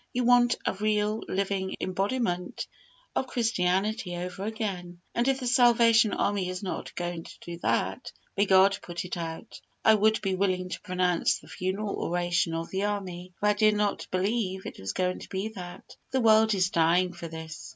You want a real, living embodiment of Christianity over again, and if the Salvation Army is not going to be that, may God put it out! I would be willing to pronounce the funeral oration of the Army if I did not believe it was going to be that. The world is dying for this.